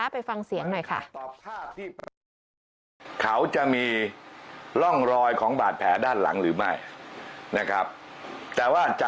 ไปฟังเสียงหน่อยค่ะ